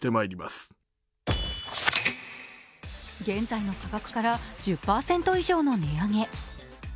現在の価格から１０％以上の値上げ